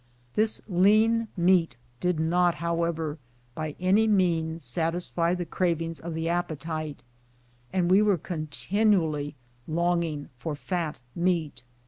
This lean meat did not, however, by any means satisfy the cravings of the appetite, and we were continually long ing for fat meat.